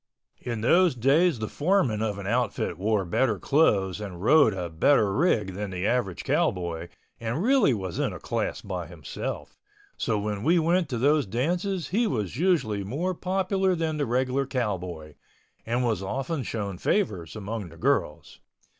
In those days the foreman of an outfit wore better clothes and rode a better rig than the average cowboy and really was in a class by himself, so when we went to those dances he was usually more popular than the regular cowboy, and was often shown favors among the girls.